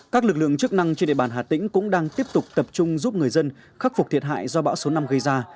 các lực lượng chức năng trên địa bàn hà tĩnh cũng đang tiếp tục tập trung giúp người dân khắc phục thiệt hại do bão số năm gây ra